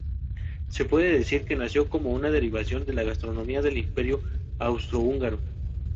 Se puede decir que nació como una derivación de la gastronomía del imperio Austrohúngaro.